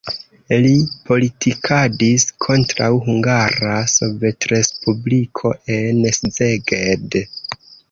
Li politikadis kontraŭ Hungara Sovetrespubliko en Szeged.